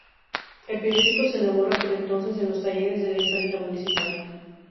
El periódico se elaboraba por entonces en los talleres de la Imprenta Municipal.